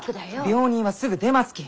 病人はすぐ出ますき！